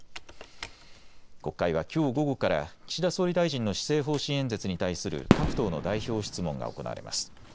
国会はきょう午後から岸田総理大臣の施政方針演説に対する各党の代表質問が行われます。